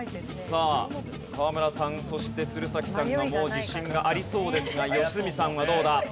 さあ河村さんそして鶴崎さんがもう自信がありそうですが良純さんはどうだ？